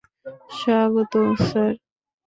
স্বাগত, স্যার।